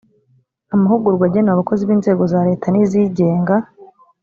amahugurwa agenewe abakozi b inzego za leta n izigenga